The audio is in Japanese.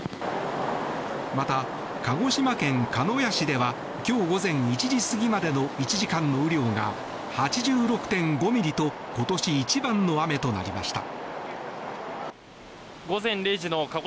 また、鹿児島県鹿屋市では今日午前１時過ぎまでの１時間の雨量が８６．５ミリと今年一番の雨となりました。